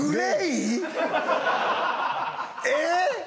えっ？